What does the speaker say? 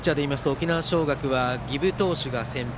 沖縄尚学は儀部投手が先発。